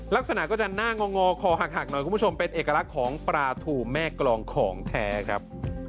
ลักษณะก็จะหน้างอคอหักหน่อยคุณผู้ชมเป็นเอกลักษณ์ของปลาถูแม่กรองของแท้ครับ